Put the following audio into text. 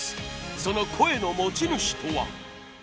その声の持ち主とは。